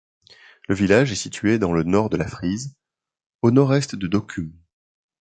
Le village est situé dans le nord de la Frise, au nord-est de Dokkum.